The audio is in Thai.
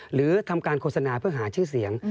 หรือทำการโฆษณาเพื่อหาชื่อเสียง